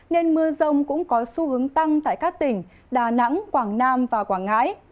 nên mưa rông cũng có xu hướng tăng tại các tỉnh đà nẵng quảng nam và quảng ngãi